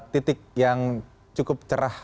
titik yang cukup cerah